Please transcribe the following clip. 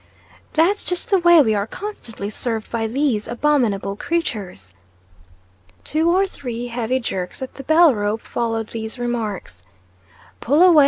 "That's just the way we are constantly served by these abominable creatures." Two or three heavy jerks at the bell rope followed these remarks. "Pull away!